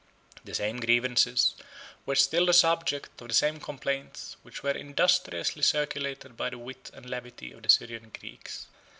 The same grievances were still the subject of the same complaints, which were industriously circulated by the wit and levity of the Syrian Greeks.